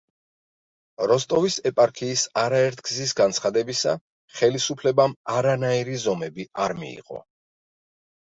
როსტოვის ეპარქიის არაერთგზის განცხადებისა, ხელისუფლებამ არანაირი ზომები არ მიიღო.